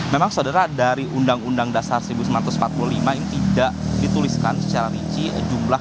memang saudara dari undang undang dasar seribu sembilan ratus empat puluh lima ini tidak dituliskan secara rinci jumlah